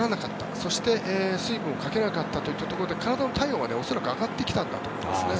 そして、水分をかけなかったといったところで体の体温が恐らく上がってきたんだと思います。